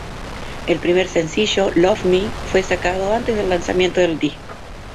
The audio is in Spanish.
El primer sencillo "Love Me" fue sacado antes del lanzamiento del disco.